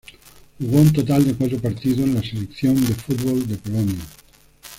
Jugó un total de cuatro partidos con la selección de fútbol de Polonia.